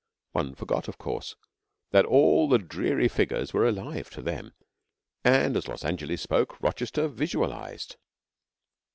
One forgot, of course, that all the dreary figures were alive to them, and as Los Angeles spoke Rochester visualised.